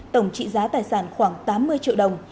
tổng trị giá tài sản khoảng tám mươi triệu đồng